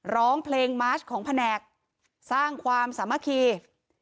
ร้องเพลงมาร์ชของแผนกสร้างความสามัคคี